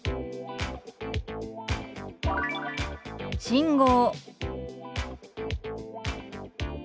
「信号」。